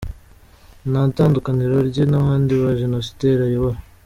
Nta tandukaniro rye n’abandi bajenosideri ayobora.